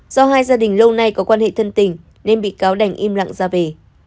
do hai gia đình lâu nay có quan hệ thân tình nên bị cáo đành im lặng ra về